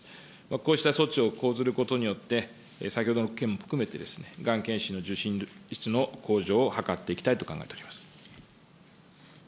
こうした措置を講ずることによって、先ほどの件も含めて、がん検診の受診率の向上を図っていきたいと考えております。